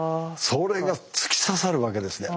それが突き刺さるわけですね。